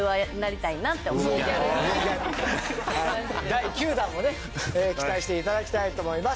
第９弾も期待していただきたいと思います。